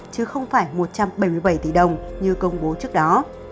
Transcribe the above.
chứ không phải một trăm bảy mươi bảy tỷ đồng như công bố trước đó